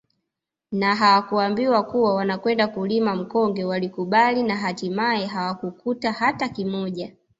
Na hawakuambiwa kuwa wanakwenda kulima mkonge walikubali na hatimaye hawakukuta hata kimoja